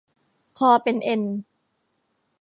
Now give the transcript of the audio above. คอเป็นเอ็น